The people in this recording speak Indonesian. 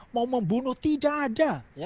mau membunuh tidak ada